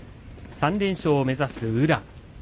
３連勝を目指す宇良。